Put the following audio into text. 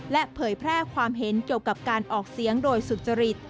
และเผยแพร่ความเห็นเกี่ยวกับการออกเสียงโดยสุจริต